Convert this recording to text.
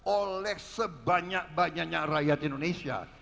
oleh sebanyak banyaknya rakyat indonesia